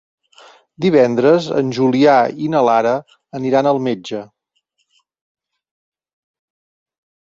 Divendres en Julià i na Lara aniran al metge.